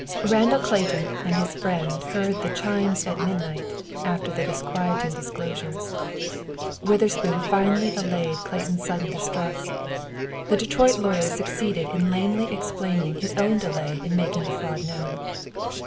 Randall Clayton and his friend heard the "chimes at midnight" after the disquieting disclosures. Witherspoon finally allayed Clayton's sudden distrust. The Detroit lawyer succeeded in lamely explaining his own delay in making the fraud known.